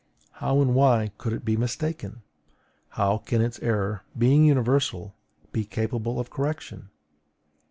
How and why could it be mistaken? How can its error, being universal, be capable of correction?